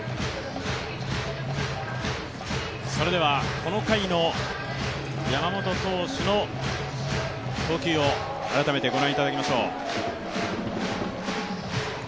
この回の山本投手の投球を改めて御覧いただきましょう。